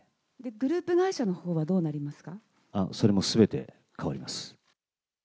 グループ会社のほうはどうなそれもすべて変わります。